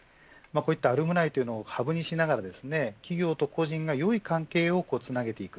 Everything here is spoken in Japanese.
アルムナイというのをハブにしながら企業と個人がよい関係をつなげていく。